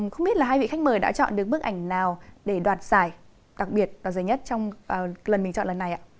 không biết là hai vị khách mời đã chọn được bức ảnh nào để đoạt giải đặc biệt đoạt giải nhất trong lần mình chọn lần này ạ